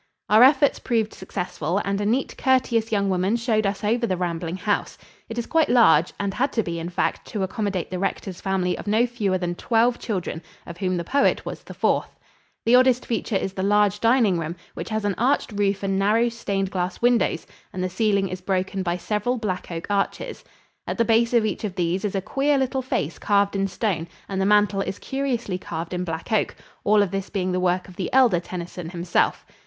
Our efforts proved successful and a neat, courteous young woman showed us over the rambling house. It is quite large and had to be, in fact, to accommodate the rector's family of no fewer than twelve children, of whom the poet was the fourth. The oddest feature is the large dining room, which has an arched roof and narrow, stained glass windows, and the ceiling is broken by several black oak arches. At the base of each of these is a queer little face carved in stone and the mantel is curiously carved in black oak all of this being the work of the elder Tennyson himself.